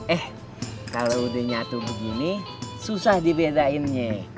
eh kalau sudah menyatu begini susah dibedainnya